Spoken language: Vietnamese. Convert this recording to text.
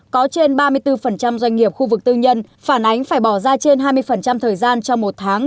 có trên ba mươi bốn doanh nghiệp khu vực tư nhân phản ánh phải bỏ ra trên hai mươi thời gian trong một tháng